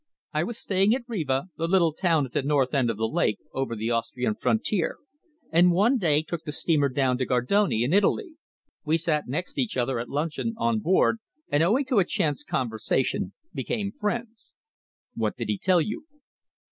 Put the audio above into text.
"I was staying at Riva, the little town at the north end of the lake, over the Austrian frontier, and one day took the steamer down to Gardone, in Italy. We sat next each other at lunch on board, and, owing to a chance conversation, became friends." "What did he tell you?"